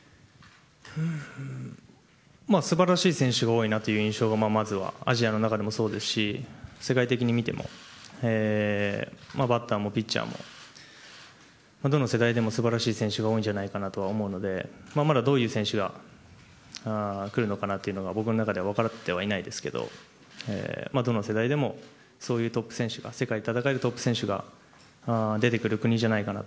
素晴らしい選手が多いなという印象がアジアの中でもそうですし世界的に見てもバッターもピッチャーもどの世代でも素晴らしい選手が多いんじゃないかなと思うのでまだどういう選手が来るのかなというのは僕の中では分かってはいないですけどどの世代でも世界で戦えるトップ選手が出てくる国じゃないかなと